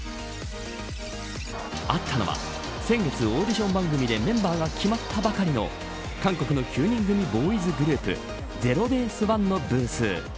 あったのは、先月オーディション番組でメンバーが決まったばかりの韓国の９人組ボーイズグループＺＥＲＯＢＡＳＥＯＮＥのブース